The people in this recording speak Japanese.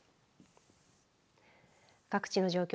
各地の状況